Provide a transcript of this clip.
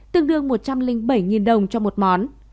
tương đương một trăm linh bảy đồng cho một món